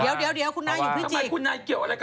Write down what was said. ทำไมคุณนายเกี่ยวอะไรกับเขา